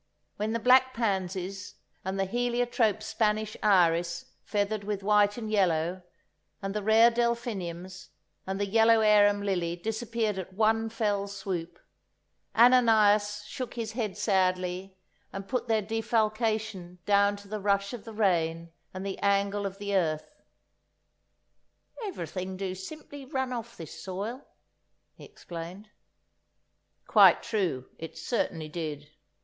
When the black pansies, and the heliotrope Spanish iris feathered with white and yellow, and the rare delphiniums, and the yellow arum lily disappeared at one fell swoop, Ananias shook his head sadly and put their defalcation down to the rush of the rain and the angle of the earth. "Everything do simply run off this soil!" he explained. Quite true; it certainly did.